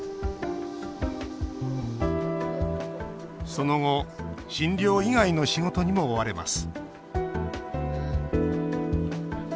その後診療以外の仕事にも追われます。